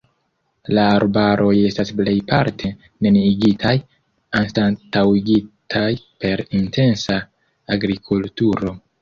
La arbaroj estas plejparte neniigitaj, anstataŭigitaj per intensa agrikulturo.